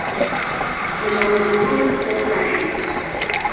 We zijn het roerend met elkaar eens.